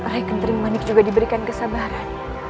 rai kentren manik juga diberikan kesabaran